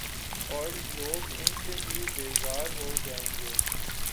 اورلوگ ان سے بھی بیزار ہوجائیں گے۔